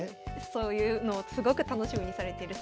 そういうのをすごく楽しみにされてるそうです。